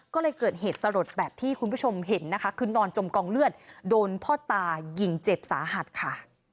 ก็เลยเกิดเหตุสลดแบบที่คุณผู้ชมเห็นนะคะคือนอนจมกองเลือดโดนพ่อตายิงเจ็บสาหัสค่ะ